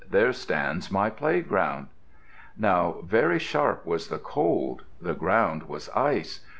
There stands my playground." Now very sharp was the cold. The ground was ice.